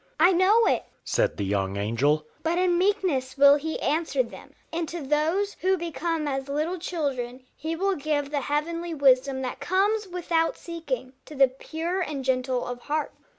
"I know it," said the young angel, "but in meekness will he answer them; and to those who become as little children he will give the heavenly wisdom that comes, without seeking, to the pure and gentle of heart."